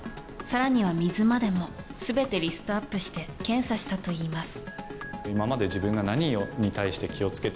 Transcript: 更には水までも全てリストアップして検査したといいます。